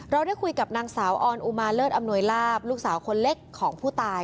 ได้คุยกับนางสาวออนอุมาเลิศอำนวยลาบลูกสาวคนเล็กของผู้ตาย